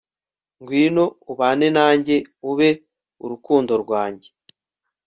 ngwino ubane nanjye ube urukundo rwanjye